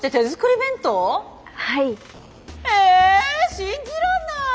信じらんない！